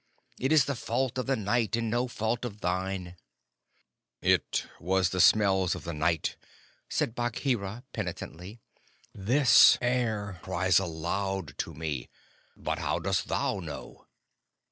It is the fault of the night, and no fault of thine." "It was the smells of the night," said Bagheera penitently. "This air cries aloud to me. But how dost thou know?"